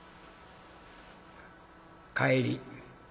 「帰り。